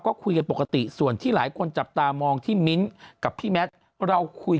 ก็คุยกันปกติส่วนที่หลายคนจับตามองที่มิ้นกับพี่แมทเราคุย